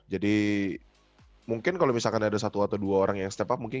jadi mungkin kalau misalkan ada satu atau dua orang yang step up